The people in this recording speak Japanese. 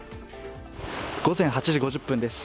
午前８時５０分です。